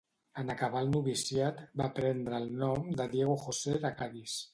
En acabar el noviciat, va prendre el nom de Diego José de Cadis.